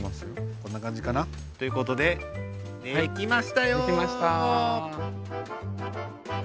こんな感じかな。ということで出来ましたよ！